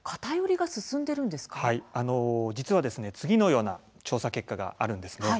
はい、実は次のような調査結果があるんです。